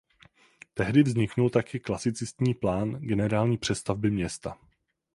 Tehdy vzniknul také klasicistní plán generální přestavby města.